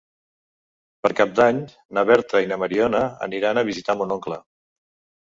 Per Cap d'Any na Berta i na Mariona aniran a visitar mon oncle.